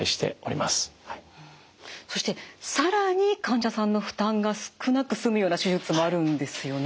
そして更に患者さんの負担が少なく済むような手術もあるんですよね？